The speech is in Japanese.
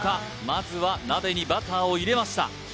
まずは鍋にバターを入れました